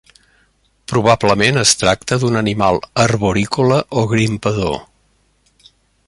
Probablement es tracta d'un animal arborícola o grimpador.